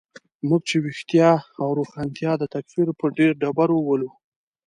موږ چې ویښتیا او روښانتیا د تکفیر په ډبرو ولو.